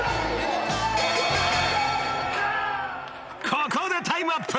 ［ここでタイムアップ］